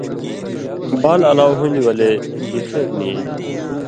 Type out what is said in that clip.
بال الاؤ ہون٘دیۡ ولے گی خېر نِی ایلیۡ۔